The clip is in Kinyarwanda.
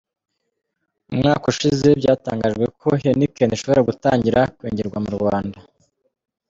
Umwaka ushize byatangajwe ko Heineken ishobora gutangira kwengerwa mu Rwanda.